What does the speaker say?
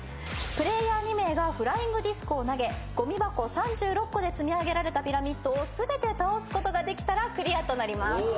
プレーヤー２名がフライングディスクを投げゴミ箱３６個で積み上げられたピラミッドを全て倒すことができたらクリアとなります。